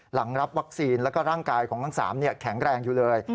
หลังรับวัคซีนแล้วก็ร่างกายของทั้ง๓แข็งแรงอยู่เลย